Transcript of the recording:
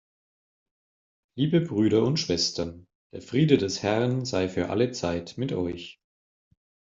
Liebe Brüder und Schwestern, der Friede des Herrn sei für alle Zeit mit euch.